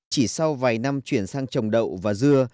chỉ sau vài năm chuyển sang trồng đậu và dưa